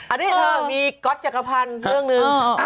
อันนี้เธอมีก๊อตจักรพันธ์เรื่องหนึ่ง